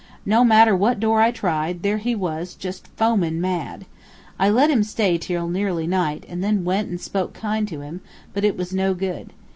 No matter what door I tried, there he was, just foamin' mad. I let him stay till nearly night, and then went and spoke kind to him; but it was no good.